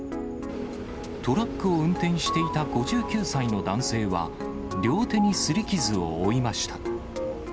トラックを運転していた５９歳の男性は、両手にすり傷を負いました。